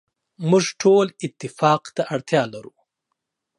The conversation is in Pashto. موږ ټول اتفاق ته اړتیا لرو.